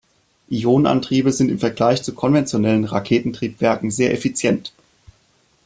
Ionenantriebe sind im Vergleich zu konventionellen Raketentriebwerken sehr effizient.